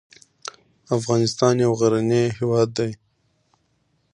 افغانستان یو غرنې هیواد ده